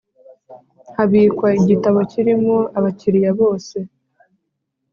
habikwa igitabo kirimo abakiriya bose